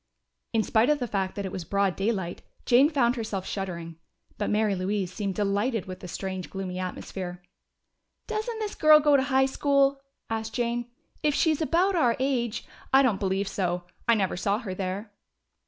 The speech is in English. In spite of the fact that it was broad daylight, Jane found herself shuddering. But Mary Louise seemed delighted with the strange, gloomy atmosphere. "Doesn't this girl go to high school?" asked Jane. "If she's about our age " "I don't believe so. I never saw her there."